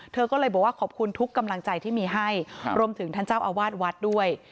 เธอก็เลยบอกว่าขอบคุณทุกกำลังใจที่มีให้รวมถึงท่านเจ้าอาวาสวัดด้วย